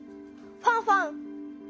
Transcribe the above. ファンファン！